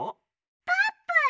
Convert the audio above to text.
「ぱーぷん！」。